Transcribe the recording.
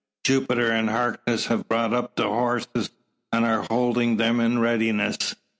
Jupiter and Harkness have brought up the horses, and are holding them in readiness.